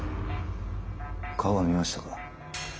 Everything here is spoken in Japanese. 顔は見ましたか？